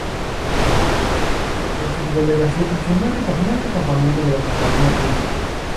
La Subdelegación funcionó en el campamento de la compañía Tulsa.